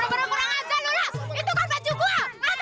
kurang kurang aja lu itu kan baju gua